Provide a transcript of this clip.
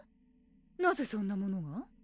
なぜそんなものが？